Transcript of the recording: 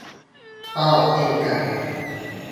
ชอบเช่นกัน